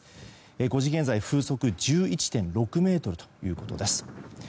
５時現在、風速１１．６メートルということです。